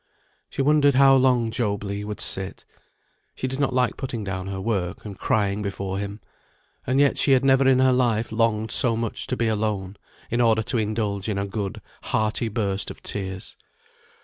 She wondered how long Job Legh would sit. She did not like putting down her work, and crying before him, and yet she had never in her life longed so much to be alone in order to indulge in a good hearty burst of tears.